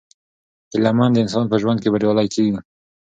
هیله مند انسان په ژوند کې بریالی کیږي.